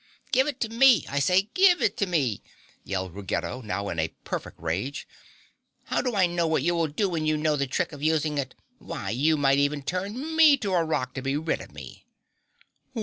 "Give it to me, I say, GIVE it to me!" yelled Ruggedo, now in a perfect rage. "How do I know what you will do when you know the trick of using it? Why, you might even turn me to a rock to be rid of me."